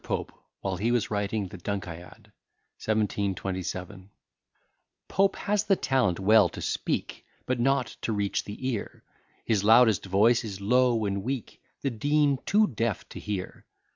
POPE, WHILE HE WAS WRITING THE "DUNCIAD" 1727 POPE has the talent well to speak, But not to reach the ear; His loudest voice is low and weak, The Dean too deaf to hear.